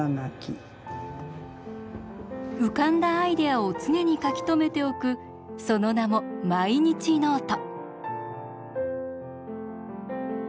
浮かんだアイデアを常に書き留めておくその名も毎日ノート。